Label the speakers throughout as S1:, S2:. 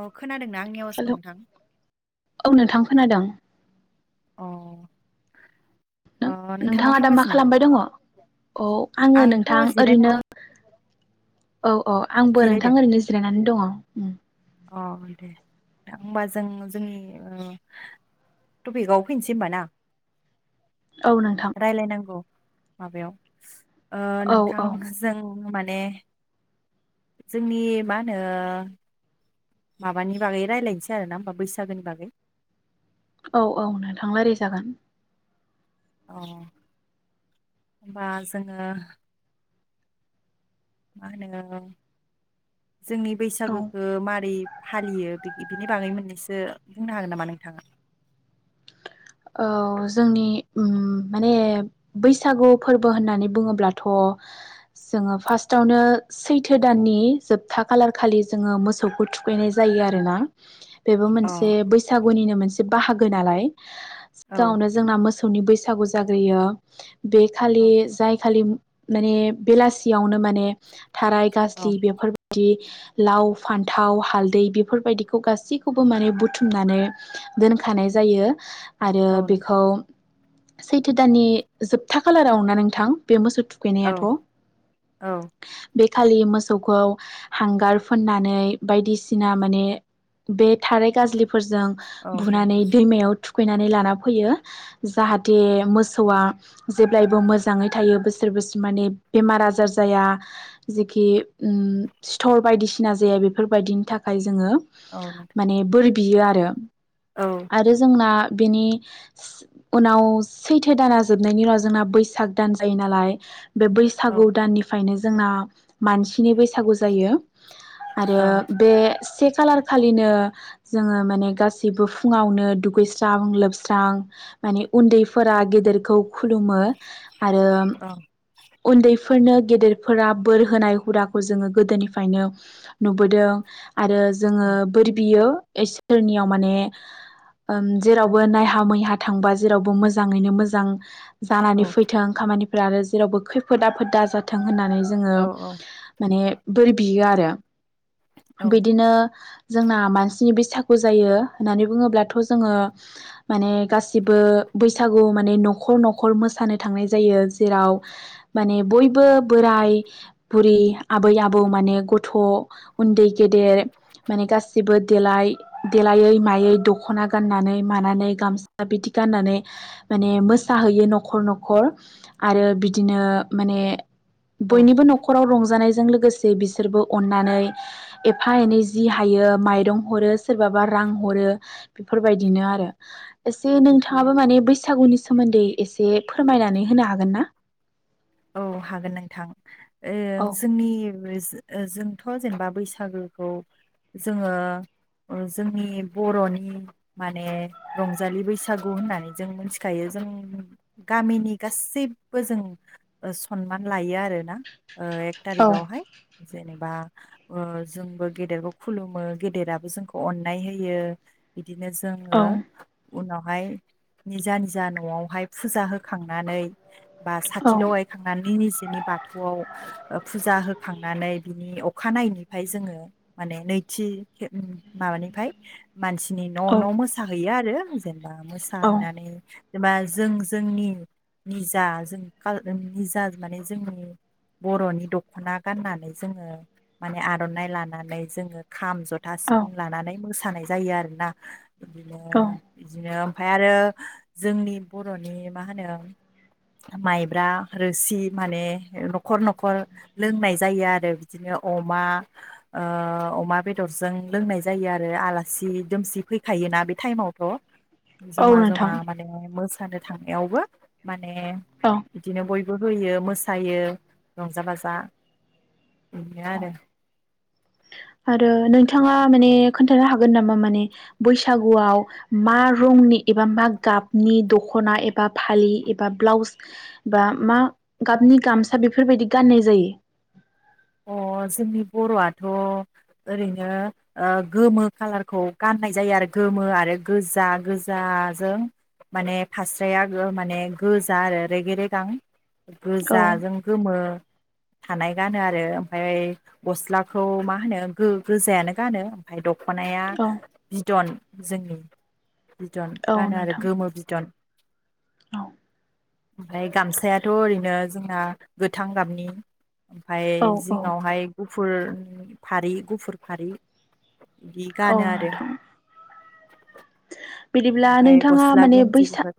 S1: अ खोनादोंना आंनि
S2: हेलौ
S1: आवाजखौ नोंथां
S2: औ नोंथां खोनादों
S1: अ
S2: नोंथाङा दा मा खालामबाय दङ औ आङो
S1: आंथ'
S2: नोंथां
S1: जिरायनो
S2: ओरैनो औ औ आंबो
S1: जिरायदों
S2: नोंथां ओरैनो जिरायनानै दङ
S1: अ दे दा होमबा जों जोंनि टपिकआव फैनोसै हबा ना
S2: औ नोंथां
S1: रायलायनांगौ माबायाव ओ
S2: औ
S1: नोंथां
S2: औ
S1: जों माने मे जोंनि मा होनो माबानि बा
S2: औ औ नों थांलाय
S1: [unintelligible] [inaudible] जोंनि
S2: औ
S1: बैसागोखौ मारै फालियो बे बिनि बागै मोननैसो बुंनो हागोन नामा नोंथाङा?
S2: औ जोंनि माने बैसागु फोर्बो होननानै बुङोब्लाथ' जोङो फार्स्टआवनो सैथो दाननि जोबथा खालार खालि जोङो मोसौखौ थुखैनाय जायो आरोना बेबो
S1: अ
S2: मोनसे बैसागुनिनो मोनसे बाहागो नालाय
S1: औ
S2: सिगाङावनो जोंना मोसौ सौनि बैसागु जाग्रोयो बे खालि
S1: औ
S2: जाय खालि माने बेलासियावनो माने थाराय
S1: औ
S2: गाज्लि बेफोरबायदि लाव फान्थाव हालदै बेफोरबायदिखौ गासैखौबो माने बुथुमनानै दोनखानाय जायो आरो
S1: औ
S2: बेखौ
S1: नोंथां
S2: सैथो दाननि जोबथा खालाराव ना नोंथां बे मोसौ
S1: औ
S2: थुखैनायाथ'
S1: औ
S2: खालि मोसौखौ हांगार फोननानै बायदिसिना माने बे थाराय गाज्लि फोरजों बुनानै
S1: नोंथां
S2: दैमायाव थु थुखैनानै लाना फैयो जाहाथे मोसौआ जेब्लायबो मोजाङै थायो बोसोर बोसोर माने बेमार आजार जाया जेखि उम सिथर बायदिसिना जाया बेफोरबायदिनि थाखाय जोङो
S1: औ नोंथां
S2: माने बोरि बियो आरो
S1: औ
S2: आरो जोंना बेनि उनाव सैथो दाना जोबनायनि उनाव जोंना बैसाग दान जायो नालाय बे
S1: औ
S2: बैसागु दाननिफ्रायनो जोंना मानसिनि बै सागु जायो आरो
S1: औ
S2: बे खालार खालिनो जोङो माने गासिबो फुङावनो दुगै स्रां लोबस्रां माने उन्दैफोरा गेदेरखौ खुलुमो आरो
S1: औ
S2: उन्दै फोरनो गेदेरफोरा बोर होनाय हुदाखौ जोङो गोदोनिफ्रायनो नुबोदों आरो जोङो बोर बियो इसोरनियाव माने जेरावबो नायहा मैहा थांबा जेरावबो मोजाङैनो मोजां
S1: औ
S2: जानानै फैथों खामानि आरो जेरावबो खैफोदा आफोदा दाजाथों होननानै जोङो
S1: औ
S2: माने बोर बियो आरो।
S1: औ
S2: बिदिनो जोंना मानसिनि बैसागु जायो होननानै बुङोब्लाथ' जोंङो माने गासिबो बैसागु माने न'खर न'खर मोसानो थांनाय जायो। जेराव माने बयबो बोराइ बुरि आबै आबौ माने गथ' उन्दै गेदेर माने गासैबो देलाय देलायै मायै दख'ना गाननानै मानानै गामसा बिदि गाननानै माने मोसाहैयो न'खर न'खर आरो बिदिनो माने बयनिबो न'खराव रंजानाय जों लोगोसे बिसोरबो अननानै एफा एनै जि हायो माइरं हरो सोरबाबा रां हरो बेफोरबायदिनो आरो। एसे
S1: औ औ
S2: नोंथाङाबो माने बैसागुनि सोमोन्दै एसे फोरमायनानै होनो हागोन ना?
S1: औ हागोन नोंथां। ओं
S2: औ
S1: जोंनि जों थ' जेनेबा बैसागुखौ जोंङो जोंनि बर'नि माने रंजालि बैसागु होननानै जों मिथिखायो जों गामिनि गासैबो जों सनमान लायो आरो। ना एक थारिक
S2: औ
S1: आवहाय जेनेबा जोंबो गेदेरबो खुलुमो गेदेराबो जोंखौ अन्नाय होयो। बिदिनो
S2: औ
S1: जोंङो उनावहाय निजा निजा न'आवहाय फुजा होखांनानै बा साथि लगाय निजेनि बाथौआव फुजा होखांनानै बिनि अखानायैनिफ्राय जोंङो माने नैथि माबानिफ्राय मानसिनि न' न' मोसाहैयो आरो। जेन
S2: औ
S1: मोसाहैनानै जेनेबा जों जोंनि निजा जों खाल निजा माने जोंनि बर'नि दख'ना गाननानै जोंङो माने आर'नाइ लानानै जोंङो खाम ज'था सिफुं लानानै मो सानाय जायो आरोना। बिदिनो
S2: औ
S1: बिदिनो ओमफ्राय आरो जोंनि बर'नि मा होनो माइ ब्रा रोसि माने न'खर न'खर लोंनाय जायो आरो बिदिनो अमा ओ अमा बेदरजों लोंनाय जायो आरो आलासि दुमसि फैखायोना बे टाइमावथ'।
S2: औ
S1: जमा जमा
S2: नोंथां
S1: माने मो सानो थांनायावबो माने
S2: औ
S1: बिदिनो बयबो होयो मोसायो रंजा बाजा बिदिनो आरो।
S2: आरो नोंथाङा माने खोन्थानो हागोन नामा माने बैसागुआव मा रंनि एबा मा गाबनि दखना एबा फालि एबा ब्लाउस बा मा गाबनि गामसा बेफोरबायदि गाननाय जायो
S1: अह जोंनि बर'आथ ओरैनो गोमो खाालारखौ गाननाय जायो आरो गोमो आरो गोजा गोजाजों माने फास्राया माने गोजा आरो रेगे रेगां
S2: औ
S1: गोजाजों गोमो थानाय गानो आरो ओमफ्राय गसलाखौ मा होनो गोजायानो गानो ओमफ्राय दख'नाया
S2: औ
S1: बिदन जोंनि बिदन
S2: औ
S1: गानो आरो
S2: नोंथां
S1: गोमो बिदन [inaudible]
S2: औ
S1: ओमफ्राय गामसायाथ' ओरैनो जोंना गोथां गाबनि ओमफ्राय
S2: औ औ
S1: जिङावहाय गुफुर फारि गुफुर फारि बि
S2: औ
S1: गानो आरो
S2: नोंथां बिदिब्ला
S1: ओमफाय
S2: नोंथाङा
S1: गस्ला
S2: माने बैसा
S1: गेन्जिफोर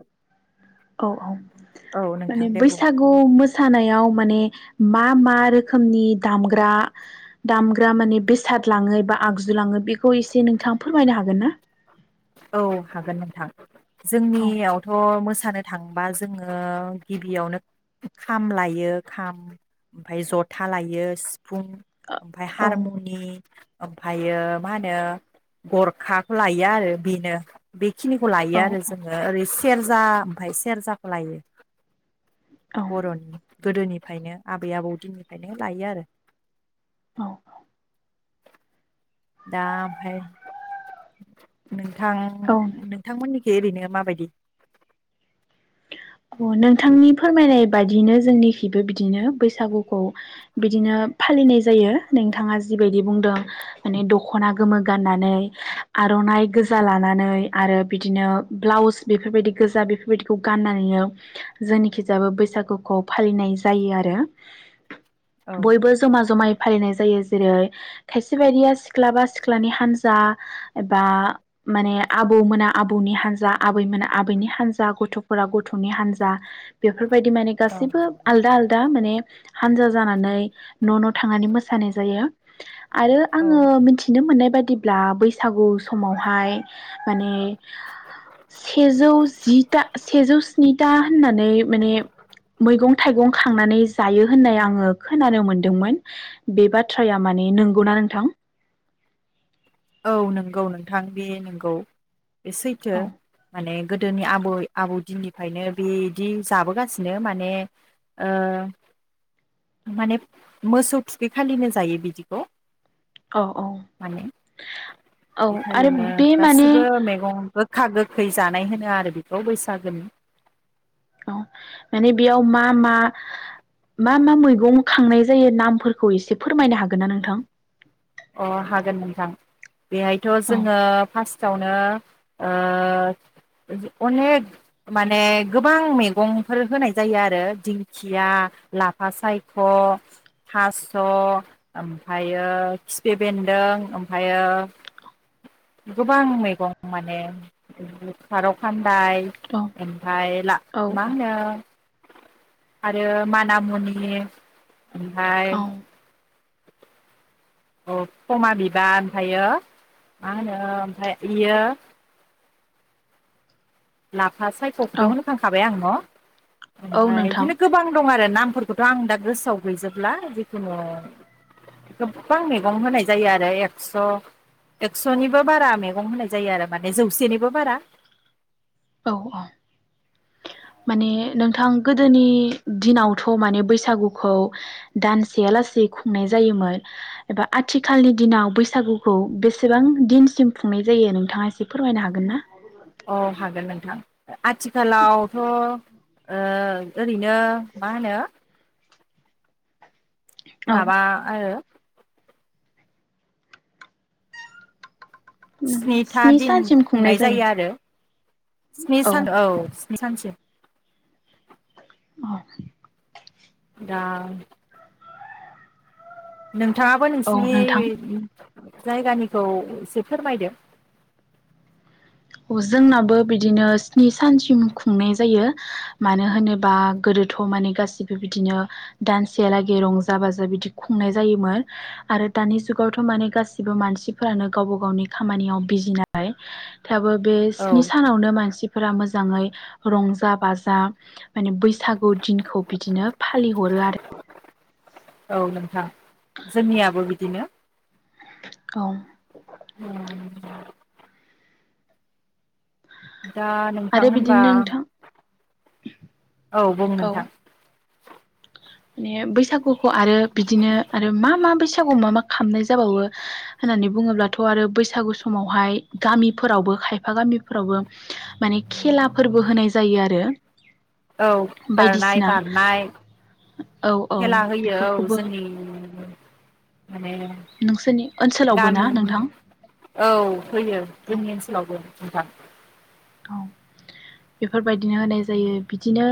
S2: औ औ
S1: औ
S2: माने
S1: नोंथां दे बुं
S2: बैसागु मोसानायाव माने मा मा रोखोमनि दामग्रा दामग्रा माने बेसाद लांङो एबा आगजु लांङो बे खौ एसे नोंथाङा फोरमायनो हागोन ना
S1: औ हागोन नोंथां
S2: औ
S1: जोंनियावथ' मोसानो थांबा जोंङो गिबियावनो खाम लायो खाम ओमफ्राय जथा लायो सि फुं
S2: औ
S1: ओमफ्राय हारमुनि ओमफ्रायो मा होनो गरखाखौ लायो आरो बेनो बे खिनिखौ लायो
S2: औ
S1: आरो जोंङो ओरै सेरजा ओमफ्राय सेरजाखौ लायो
S2: औ
S1: बर'नि गोदोनिफ्रायनो आबै आबौ दिननिफ्रायनो लायो आरो
S2: औ औ
S1: दा ओमफ्राय नों थां
S2: औ
S1: नोंथांमोननि एरैनो माबायदि [inaudible]
S2: नोंथांनि फोरमायनाय बायदियैनो जोंनिथिंबो बिदिनो बैसागुखौ बिदिनो फालिनाय जायो नोंथाङा जिबायदि बुंदों माने दख'ना गोमो गाननानै आर'नाइ गोजा लानानै आरो बिदिनो ब्लाउस बेफोरबायदि गोजा बेफोरबायदिखौ गाननानै जोंनिखि जाबो बैसागुखौ फालिनाय जायो आरो
S1: औ
S2: बयबो जमा जमायै फालिनाय जायो जेरै खायसे बायदिया सिख्लाबा सिख्लानि हान्जा एबा माने आबौमोना आबौनि हान्जा आबै मोना आबैनि हान्जा गथ' फोरा गथनि हान्जा बे बे बायदि माने
S1: औ
S2: गासिबो आलदा आलदा माने हानजा जानानै न' न'थांनानै मोसानाय जायो। आरो
S1: औ
S2: आङो मिथिनो मोननाय बे बादिब्ला बैसागु समावहाय माने सेजौ जि सेजौ स्निथा होननानै माने मैगं-थाइगं खांनानै जायो होननाय आङो खोनानो मोनदोंमोन बे बाथ्राया माने नंगौना नोंथां?
S1: औ नोंगौ नोंथां बे नोंगौ सैथो
S2: औ
S1: माने गोदोनि आबै आबौ दिननिफ्रायनो बेदि जाबोगासिनो माने ओ माने मोसौ थुफैखालिनो जायो बिदिखौ।
S2: औ औ। औ आरो
S1: इटालिनो
S2: बे माने
S1: गासिबो मैगंबो खाग गोखै जानाय होनो आरो बेखौ बैसागोनि।
S2: औ माने बेयाव मा मा मा मा मैगं खांनाय जायो नामफोरखौ एसे फोरमायनो हागोन ना नोंथां?
S1: अ हागोन नोंथां। बेहायथ'
S2: औ
S1: जोङो फार्स्ट आवनो ओ अनेक माने गोबां मैगंफोर होनाय जायो आरो दिंखिया लाफा सायख थास ओमफायो। खिफि बेन्दों ओमफायो गोबां मैगं माने खाराव खान न्दाइ
S2: औ
S1: ओमफाय ला
S2: औ
S1: मा होनो आरो माना मुनि ओमफाय
S2: औ
S1: औ क'मा बिबार ओमफायो मा होनो ओमफाय इयो ना फा सायख'खौथ'
S2: औ
S1: होनोखांखाबाय आं न'
S2: औ
S1: ओमफाय
S2: नोंथां
S1: इदिनो गोबां दं आरो ना फोरफोरखौथ' आं दा गोसोआव गैजोबला जिखुनु गोबां मैगं होनाय जायो आरो एक्स एक्सनिबो बारा मैगं होनाय जायो आरो माने जौसेनिबो बारा।
S2: औ औ माने नोंथां गोदोनि दिनावथ' माने बैसागुखौ दानसेया लासे खुंनाय जायोमोन एबा आथिखालनि दिनाव बैसागुखौ बेसेबां दिनसिम खुंनाय जायो नोंथाङा एसे फोरमायनो हागोन ना?
S1: अ हागोन नोंथां। ओ आथिखालावथ' ओ ओरैनो मा होनो?
S2: औ
S1: माबा आरो स्निथा दिन खुंनाय जायो आरो स्नि सान औ स्नि सानसिम।
S2: औ।
S1: दा नोंथाङाबो
S2: औ
S1: नोंसिनि
S2: नोंथां
S1: जायगानिखौ एसे फोरमायदो।
S2: औ जोंनाबो बिदिनो स्नि सानसिम खुंनाय जायो मानो होनोबा गोदोथ माने गासिबो बिदिनो दानसेहालागै रंजा बाजा बिदि खुंनाय जायोमोन आरो दानि जुगावथ माने गासिबो मानसिफोरानो गावबा गावनि खामानियाव बिजि नालाय दाबो बे
S1: औ
S2: स्नि सानावनो मानसि फोरा मोजाङै रंजा बाजा माने बैसागु दिनखौ बिदिनो फालिहरो आरो
S1: औ नोंथां जोंनियाबो बिदिनो
S2: औ।
S1: [inaudible] दा नोंथां
S2: आरो बिदिनो
S1: होनबा
S2: नोंथां
S1: औ बुं
S2: औ
S1: नोंथां।
S2: माने बैसागुखौ आरो बिदिनो आरो मा मा बैसागुआव मा मा खालामनाय जाबावो होननानै बुङोब्लाथ' आरो बैसागु समावहाय गामिफोरावबो खायफा गामिफोरावबो माने खेला फोरबो होनाय जायो आरो।
S1: औ खारनाय,
S2: बायदिसिना
S1: बारनाय
S2: औ औ
S1: खेला होयो औ
S2: बेफोरखौबो
S1: जोंनि [inaudible] माने
S2: नोंसोरनि ओनसोलावबो
S1: दान
S2: ना नोंथां
S1: औ होयो
S2: औ
S1: जोंनि ओनसोलावबो नोंथां।
S2: औ, बेफोरबायदिनो होनाय जायो बिदिनो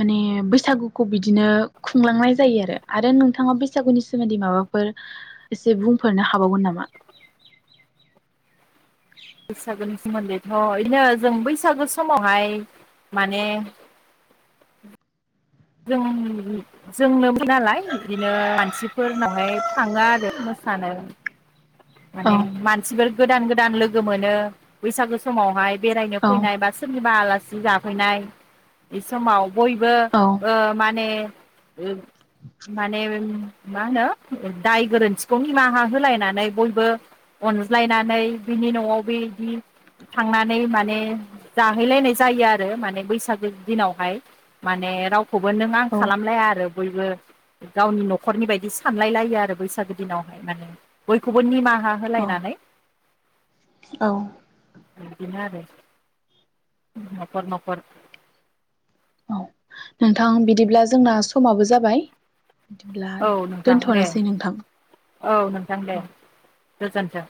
S2: माने बैसागुखौ बिदिनो खुंलांनाय जायो आरो। आरो नोंथाङा बैसागुनि सोमोन्दै माबाफोर एसे बुंफोरनो हाबावगोन नामा?
S1: बैसागो नि सोमोन्दैथ' बिदिनो जों बैसागो समावहाय माने जों जोंनोमोन नालाय बिदिनो मानसिफोरनावहाय थाङो आरो मोसानो
S2: औ
S1: माने मानसि फोर गोदान गोदान लोगो मोनो बैसागो समावहाय। बेरायनो
S2: औ
S1: फैनाय बा सोरनिबा आला सि जाफैनाय बे समाव बयबो
S2: औ
S1: ओ माने ओ माने मा होनो दाय गोरोन्थिखौ निमाहा होलायनानै बय बो अनज्लायनानै बिनि न'आव बे बिदि थांनानै माने जाहैलायनाय जायो आरो माने बैसागो दिनावहाय। माने राव खौबो नों आं
S2: औ
S1: खालामलाया आरो बयबो गावनि न'खरनि बायदि सानलाय लायो आरो बैसागो दिनावहाय माने बयखौ बयनिमा हा होलायनानै
S2: औ।
S1: बिदिनो आरो। नखर नखर
S2: औ नोंथां बिदिब्ला जोंना समाबो जाबाय। बिदिब्ला
S1: औ नोंथां दे
S2: दोनथ'नोसै नोंथां
S1: औ नोंथां
S2: औ
S1: दे गोजोन न्थों।